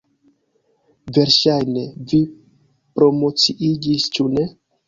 Verŝajne, vi promociiĝis, ĉu ne?